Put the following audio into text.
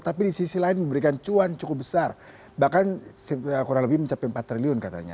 tapi di sisi lain memberikan cuan cukup besar bahkan kurang lebih mencapai empat triliun katanya